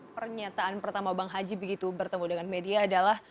pernyataan pertama bang haji begitu bertemu dengan media adalah